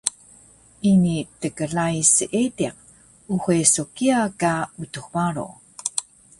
Ini tklai seediq, uxe so kiya ka Utux Baro